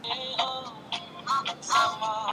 تاسي کله له دغي سرلوړي څخه برخمن سواست؟